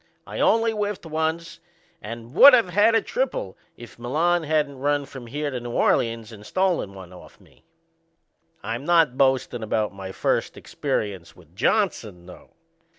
I only whiffed once and would of had a triple if Milan hadn't run from here to New Orleans and stole one off me. I'm not boastin' about my first experience with Johnson though.